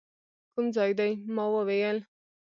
کوم ځای دی؟ ما وویل.